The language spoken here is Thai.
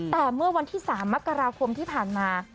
แต่เมื่อวันที่๓มกราคมที่ผ่านมา